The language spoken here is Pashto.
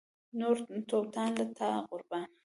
تور توتان له تا قربان